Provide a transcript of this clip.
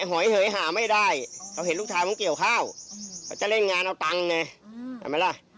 หอยเหยหาไม่ได้เขาเห็นลูกชายมันเกี่ยวข้าวเขาจะเล่นงานเอาตังค์ไงเห็นไหมล่ะ